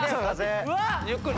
ゆっくり。